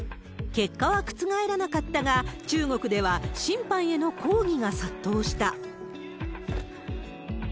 結果は覆らなかったが、中国では審判への抗議が殺到した。